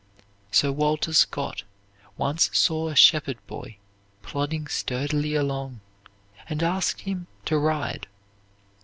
Sir Walter Scott once saw a shepherd boy plodding sturdily along, and asked him to ride.